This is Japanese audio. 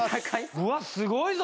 うわっすごいぞ。